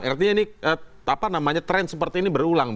artinya ini tren seperti ini berulang